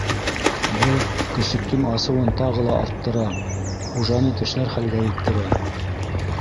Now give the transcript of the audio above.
Был көсөктөң асыуын тағы ла арттыра, хужаны тешләр хәлгә еткерә.